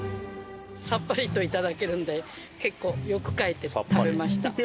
さっぱりといただけるんで結構欲かいて食べました。